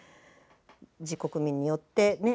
自国民によってね？